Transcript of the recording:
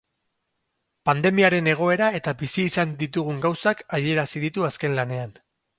Pandemiaren egoera eta bizi izan ezin ditugun gauzak adierazi ditu azken lanean.